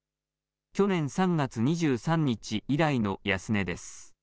去年３月２３日以来の安値です。